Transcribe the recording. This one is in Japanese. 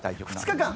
２日間。